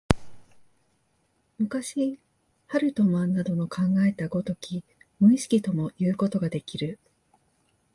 昔、ハルトマンなどの考えた如き無意識ともいうことができる。